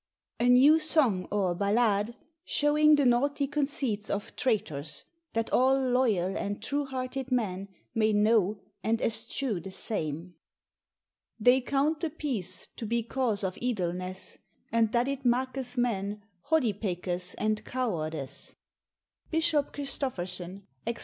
"A New Song, or Balade, shewing the naughty conceits of Traytours; that all loial and true hearted men may know and eschew the same. "They counte Peace to be cause of ydelnes, and that it maketh men hodipekes and cowardes." Bp. Christopherson, _Exh.